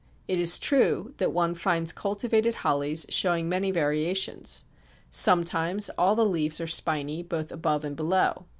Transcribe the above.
It is true that one finds cultivated hollies showing many variations. Sometimes all the leaves are spiny, both above and below.